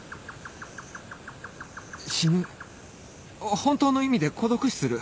死ぬ本当の意味で孤独死する